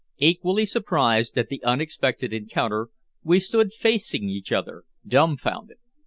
Equally surprised at the unexpected encounter, we stood facing each other dumbfounded.